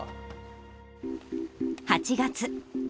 ８月。